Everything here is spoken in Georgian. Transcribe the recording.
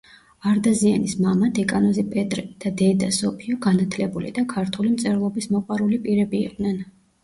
არდაზიანის მამა, დეკანოზი პეტრე, და დედა, სოფიო, განათლებული და ქართული მწერლობის მოყვარული პირები იყვნენ.